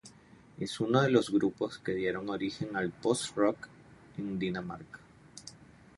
Es uno de los grupos que dieron origen al post-rock en Dinamarca.